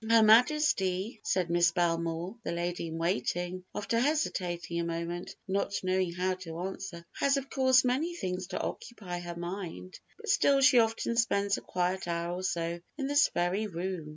"Her Majesty," said Miss Belmore, the lady in waiting, after hesitating a moment, not knowing how to answer, "has of course many things to occupy her mind, but still she often spends a quiet hour or so in this very room."